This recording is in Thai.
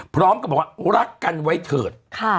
พร้อมกับบอกว่ารักกันไว้เถิด